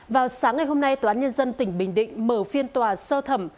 vào sáng ngày hôm nay tòa án nhân dân tỉnh bình định mở phiên tòa sơ thẩm